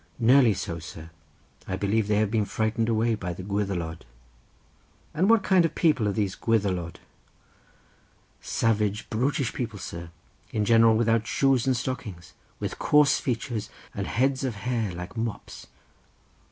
"Nearly so, sir; I believe they have been frightened away by the Gwyddelod." "What kind of people are these Gwyddelod?" "Savage, brutish people, sir; in general without shoes and stockings, with coarse features and heads of hair like mops."